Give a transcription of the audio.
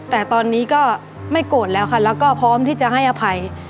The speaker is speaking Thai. แต่ตอนนี้ก็ไม่โกรธแล้วค่ะแล้วก็พร้อมที่จะให้อภัย